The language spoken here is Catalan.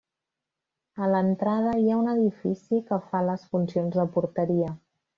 A l'entrada hi ha un edifici que fa les funcions de porteria.